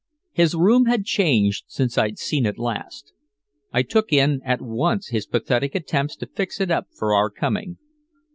His room had changed since I'd seen it last, I took in at once his pathetic attempts to fix it up for our coming.